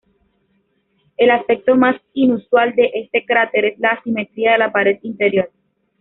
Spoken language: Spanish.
El aspecto más inusual de este cráter es la asimetría de la pared interior.